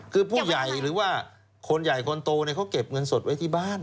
คือผู้ใหญ่หรือว่าคนใหญ่คนโตเขาเก็บเงินสดไว้ที่บ้าน